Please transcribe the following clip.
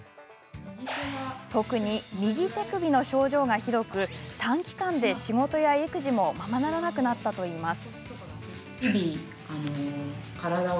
特に、右手首の症状がひどく短期間で仕事や育児もままならなくなったといいます。